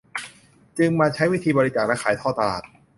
จึงมาใช้วิธีบริจาคและขายทอดตลาด